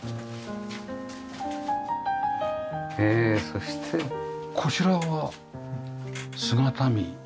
そしてこちらは姿見？